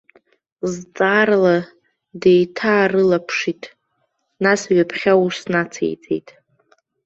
Зҵаарала деиҭаарылаԥшит, нас ҩаԥхьа ус нациҵеит.